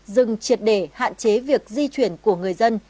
dừng triệt để hạn chế việc di chuyển của người dân